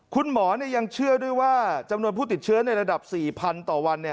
คุณหมอยังเชื่อด้วยว่าจำนวนผู้ติดเชื้อในระดับ๔๐๐๐ต่อวัน